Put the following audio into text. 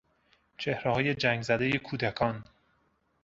چهرههای جنگزدهی کودکان